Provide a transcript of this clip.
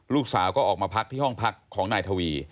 ลูกสาวก็ออกมาพักที่ห้องพักของนายทวี